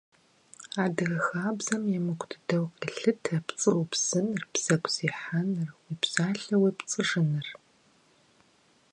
Адыгэ хабзэм емыкӀу дыдэу къелъытэ пцӀы упсыныр, бзэгу зехьэныр, уи псалъэ уепцӀыжыныр.